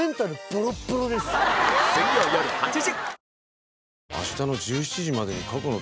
水曜よる８時